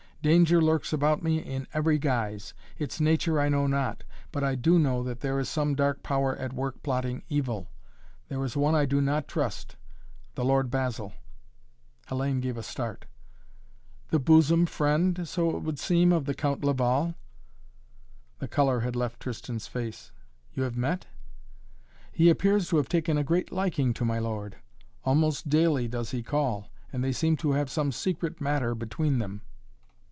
Danger lurks about me in every guise. Its nature I know not. But I do know that there is some dark power at work plotting evil. There is one I do not trust the Lord Basil." Hellayne gave a start. "The bosom friend, so it would seem, of the Count Laval." The color had left Tristan's face. "You have met?" "He appears to have taken a great liking to my lord. Almost daily does he call, and they seem to have some secret matter between them."